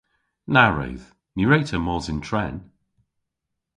Na wredh! Ny wre'ta mos yn tren.